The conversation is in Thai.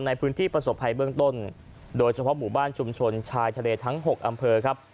ในพื้นที่ประสบภัยเบื้องต้นโดยเฉพาะหมู่บ้านชุมชนชายทะเลทั้ง๖อำเภอครับ